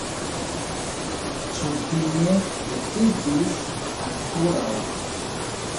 Ĉu vi ne decidis ankoraŭ?